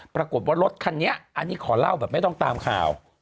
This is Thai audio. ปรากฏว่ารถคันนี้อันนี้ขอเล่าแบบไม่ต้องตามข่าว